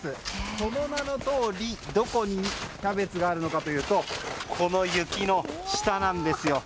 その名のとおり、どこにキャベツがあるのかというとこの雪の下なんですよ。